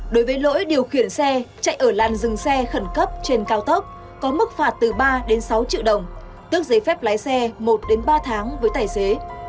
đối với lỗi điều khiển xe chạy ở làn dừng xe khẩn cấp trên cao tốc có mức phạt từ ba đến sáu triệu đồng tước giấy phép lái xe một ba tháng với tài xế